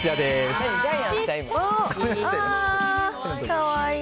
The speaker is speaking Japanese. かわいい。